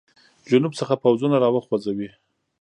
جنوب څخه پوځونه را وخوځوي.